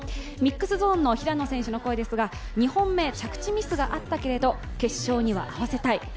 ミックスゾーンの平野選手の声ですが、２本目、着地ミスがあったけれども、決勝ではきめたい。